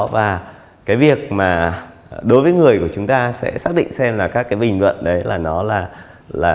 và cái việc mà đối với người của chúng ta sẽ xác định xem là các cái bình luận đấy là nó là